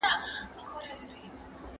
چي د گيدړي په جنگ ځې، تايه به د زمري نيسې.